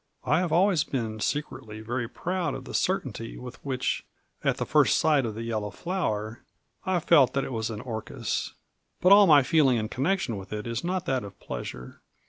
I have always been secretly very proud of the certainty with which at the first sight of the yellow flower I felt that it was an orchis, but all my feeling in connection with it is not that of pleasure.